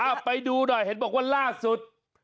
เอาไปดูหน่อยเห็นบอกว่าล่าสุด